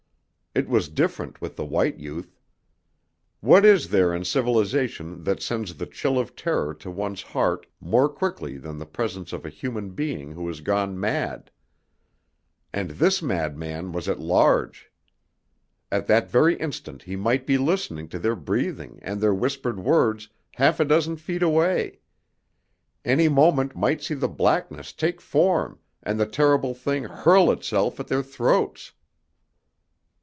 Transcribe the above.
It was different with the white youth. What is there in civilization that sends the chill of terror to one's heart more quickly than the presence of a human being who has gone mad? And this madman was at large! At that very instant he might be listening to their breathing and their whispered words half a dozen feet away; any moment might see the blackness take form and the terrible thing hurl itself at their throats.